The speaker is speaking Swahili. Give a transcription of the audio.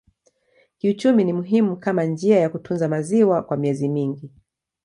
Kiuchumi ni muhimu kama njia ya kutunza maziwa kwa miezi mingi.